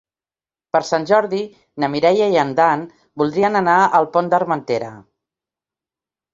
Per Sant Jordi na Mireia i en Dan voldrien anar al Pont d'Armentera.